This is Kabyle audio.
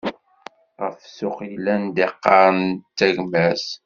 Ɣef ssuq, yella anda iqqaren d tagmert.